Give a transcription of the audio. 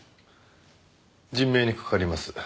人命に関わります。